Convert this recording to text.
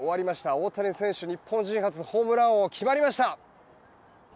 大谷選手、日本初ホームラン王、決まりました。